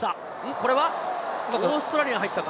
これはオーストラリアが入ったか？